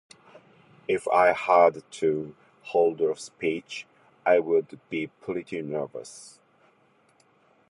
If I had to hold a speech, I would be pretty nervous.